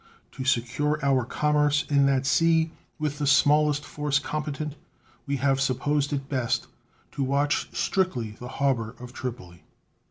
To secure our commerce in that sea with the smallest force competent, we have supposed it best to watch strictly the harbor of Tripoli.